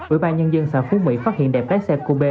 ubnd xã phú mỹ phát hiện đẹp lái xe cube